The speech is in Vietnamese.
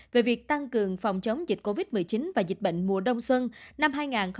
về việc tăng cường phòng chống dịch covid một mươi chín và dịch bệnh mùa đông xuân năm hai nghìn hai mươi một hai nghìn hai mươi hai